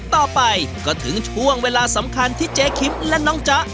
ต่อไปก็ถึงช่วงเวลาสำคัญที่เจ๊คิมและน้องจ๊ะ